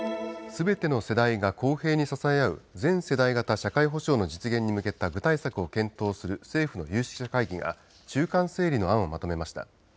すべての世代が公平に支え合う全世代型社会保障の実現に向けた具体策を検討する政府の有識者会議が中間整理の案をまとめました。